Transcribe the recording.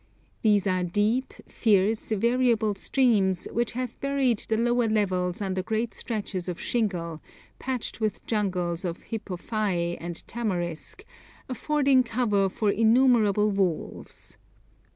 These are deep, fierce, variable streams, which have buried the lower levels under great stretches of shingle, patched with jungles of hippophaë and tamarisk, affording cover for innumerable wolves.